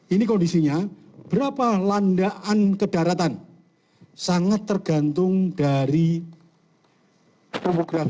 ini kondisinya berapa landaan kedaratan sangat tergantung dari popografi